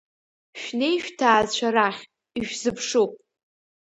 Шәнеи шәҭаацәа рахь, ишәзыԥшуп…